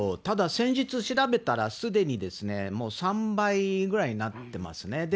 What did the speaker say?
ただ先日調べたら、すでにもう３倍ぐらいになってますね。